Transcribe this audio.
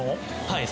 はい。